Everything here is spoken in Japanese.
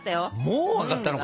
もう分かったの？